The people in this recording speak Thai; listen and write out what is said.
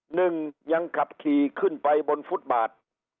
หนึ่งยังขับขี่ขึ้นไปบนฟุตบาท